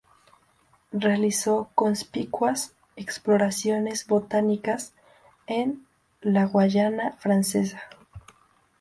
Realizó conspicuas exploraciones botánicas en la Guayana Francesa.